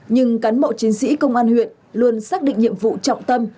nhưng cán bộ chiến sĩ công an huyện luôn xác định nhiệm vụ trọng tâm